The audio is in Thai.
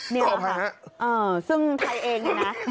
นี่แหละค่ะเอ่อซึ่งไทยเองนะ